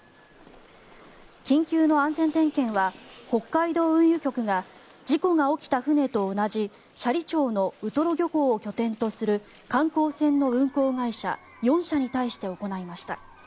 緊急の安全点検は北海道運輸局が事故が起きた船と同じ斜里町のウトロ漁港を拠点とする観光船の運航会社４社に対して行いました。